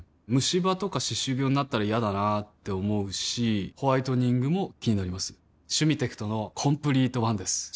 ムシ歯とか歯周病になったら嫌だなって思うしホワイトニングも気になります「シュミテクトのコンプリートワン」です